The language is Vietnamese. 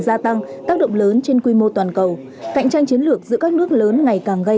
gia tăng tác động lớn trên quy mô toàn cầu cạnh tranh chiến lược giữa các nước lớn ngày càng gây